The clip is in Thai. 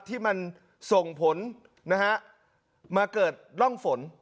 ที่มันส่งผลนะฮะมาเกิดร่องฝน